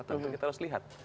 tentu kita harus lihat